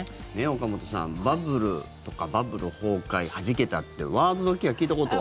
岡本さん、バブルとかバブル崩壊とかはじけたってワードだけは聞いたことは？